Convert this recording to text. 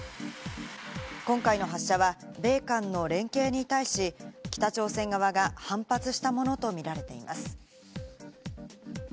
今回の発射は米韓の連携に対し、北朝鮮側が反発したものと見られています。